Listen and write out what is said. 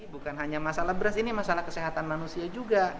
bukan hanya masalah beras ini masalah kesehatan manusia juga